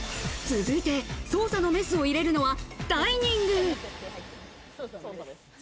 続いて、捜査のメスを入れるのはダイニング。